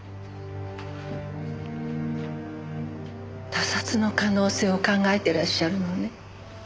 他殺の可能性を考えてらっしゃるのね？